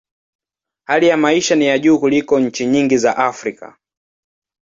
Hali ya maisha ni ya juu kuliko nchi nyingi za Afrika.